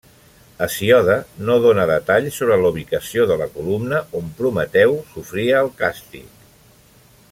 Hesíode no dóna detalls sobre la ubicació de la columna on Prometeu sofria el càstig.